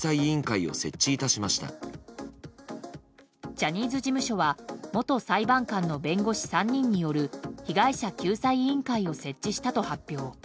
ジャニーズ事務所は元裁判官の弁護士３人による被害者救済委員会を設置したと発表。